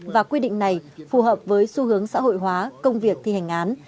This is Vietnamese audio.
và quy định này phù hợp với xu hướng xã hội hóa công việc thi hành án